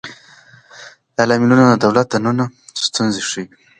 دا لاملونه د دولت دننه ستونزې ښيي.